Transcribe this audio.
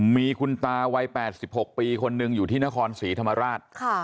มีคุณตาวัย๘๖ปีคนหนึ่งอยู่ที่นครศรีธรรมราช